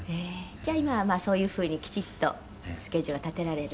じゃあ、今は、そういうふうにきちっとスケジュールは立てられる。